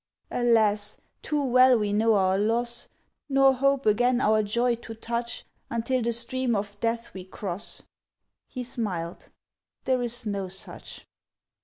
"Alas! too well we know our loss, Nor hope again our joy to touch, Until the stream of death we cross." He smiled: "There is no such!"